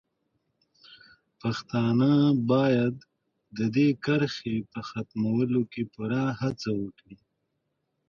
پښتانه باید د دې کرښې په ختمولو کې پوره هڅه وکړي.